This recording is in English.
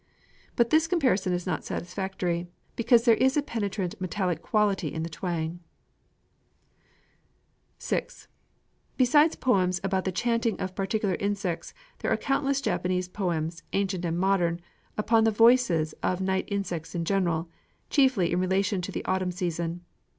But this comparison is not satisfactory, because there is a penetrant metallic quality in the twang, impossible to describe. [Illustration: KANTAN (natural size).] VI Besides poems about the chanting of particular insects, there are countless Japanese poems, ancient and modern, upon the voices of night insects in general, chiefly in relation to the autumn season.